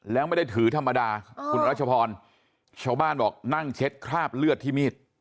แล้วไม่ได้ถือธรรมดาคุณรัชพรชาวบ้านบอกนั่งเช็ดคราบเลือดที่มีด